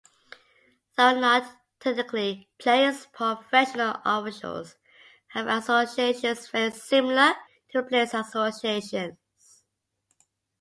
Though not technically players, professional officials have associations very similar to players associations.